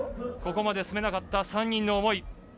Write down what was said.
ここまで進めなかった３人の思い。